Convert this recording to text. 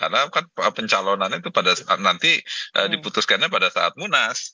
karena kan pencalonannya itu pada saat nanti diputuskannya pada saat munas